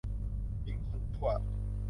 หญิงคนชั่ว